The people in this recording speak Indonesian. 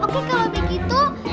oke kalau begitu